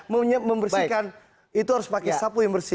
mau membersihkan itu harus pakai sapu yang bersih